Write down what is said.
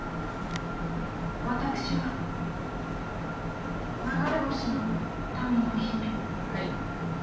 私は流れ星の民の姫。